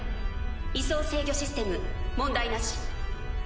位相制御システム問題なし。